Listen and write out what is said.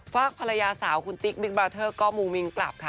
ฝากภรรยาสาวคุณติ๊กบิ๊กบาร์เทอร์ก็มูมิ้งกลับค่ะ